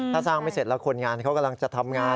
ถ้าสร้างไม่เสร็จแล้วคนงานเขากำลังจะทำงาน